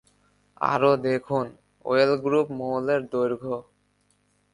আরও দেখুন: ওয়েল গ্রুপ মৌলের দৈর্ঘ্য।